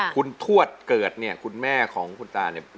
คุณทวดเกิดเนี่ยคุณแม่ของคุณตาเนี่ย